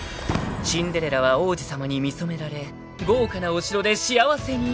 ［シンデレラは王子様に見初められ豪華なお城で幸せに］